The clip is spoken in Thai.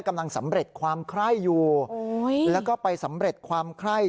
กำลังสำเร็จความไคร้อยู่แล้วก็ไปสำเร็จความไคร้